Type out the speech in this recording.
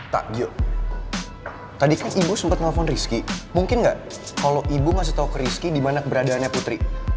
tak gio tadi kan ibu sempet nelfon rizky mungkin gak kalo ibu masih tau ke rizky dimana keberadaannya putri